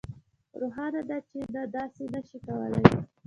روښانه ده چې نه داسې نشئ کولی